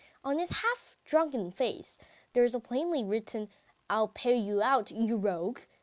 On his half drunken face there is plainly written: "I'll pay you out, you rogue!"